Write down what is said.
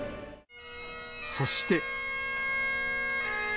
そして。